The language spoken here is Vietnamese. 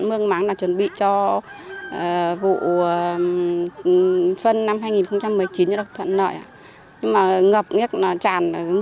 mừng ngày tết trên khắp quê tôi